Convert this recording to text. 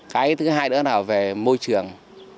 cái thứ hai nữa là về môi trường